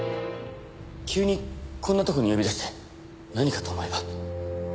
急にこんなところに呼び出して何かと思えば。